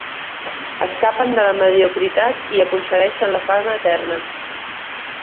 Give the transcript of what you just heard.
Escapen de la mediocritat i aconsegueixen la fama eterna.